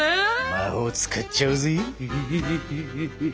魔法を使っちゃうぜ！